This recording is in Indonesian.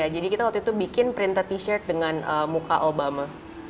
jadi kita waktu itu bikin printed t shirt dengan muka obama